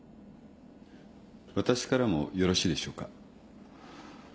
私からもよろしいでしょうか。